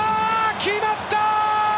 決まった！